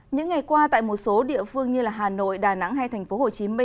những ngày qua tại một số địa phương như hà nội đà nẵng hay tp hcm